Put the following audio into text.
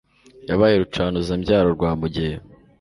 Yabaye Rucanuza-byaro rwa mugeyo